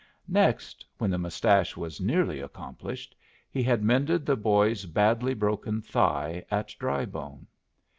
Next, when the mustache was nearly accomplished, he had mended the boy's badly broken thigh at Drybone.